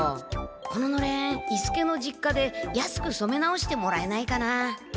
こののれん伊助の実家で安くそめ直してもらえないかな？